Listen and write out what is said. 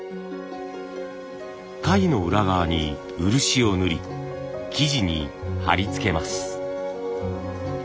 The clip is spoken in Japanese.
貝の裏側に漆を塗り木地に貼り付けます。